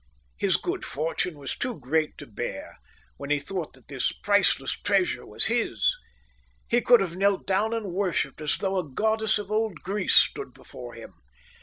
His good fortune was too great to bear, when he thought that this priceless treasure was his. He could have knelt down and worshipped as though a goddess of old Greece stood before him.